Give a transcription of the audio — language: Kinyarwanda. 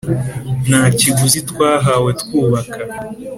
nta kiguzi twahawe Twubaka